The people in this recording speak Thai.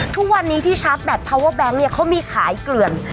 ทุกวันนี้ที่ชาร์จแบตพาวเวอร์แบงค์เนี่ยเขามีขายเกลื่อน